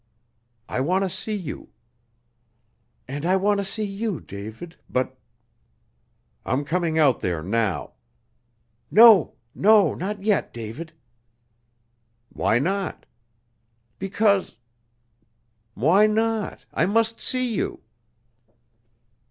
"I want to see you." "And I want to see you, David, but " "I'm coming out there now." "No! no! not yet, David." "Why not?" "Because " "Why not? I must see you."